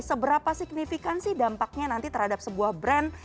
seberapa signifikan sih dampaknya nanti terhadap sebuah brand